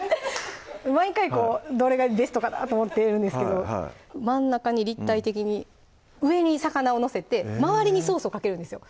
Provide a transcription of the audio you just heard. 毎回こうどれがベストかなと思ってるんですけど真ん中に立体的に上に魚を載せて周りにソースをかけるんですよ